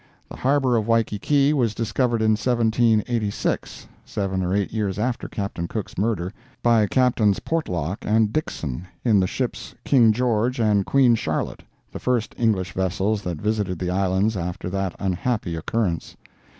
The harbor of Waikiki was discovered in 1786 (seven or eight years after Captain Cook's murder) by Captains Portlock and Dixon, in the ships King George and Queen Charlotte—the first English vessels that visited the islands after that unhappy occurrence.